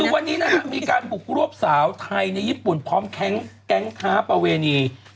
คือวันนี้นะฮะมีการบุกรวบสาวไทยในญี่ปุ่นพร้อมแก๊งค้าประเวณี